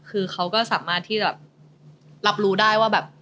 คือเขาก็สามารถที่จะแบบรับรู้ได้ว่าแบบ